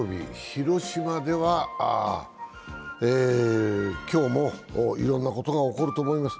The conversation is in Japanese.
広島では今日もいろんなことが起こると思います。